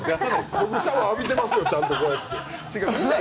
僕、シャワー浴びてますよ、ちゃんとこうやって。